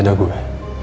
masih ada gue